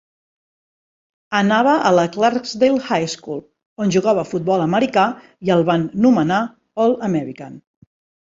Anava a la Clarksdale High School, on jugava a futbol americà i el van nomenar "All-American".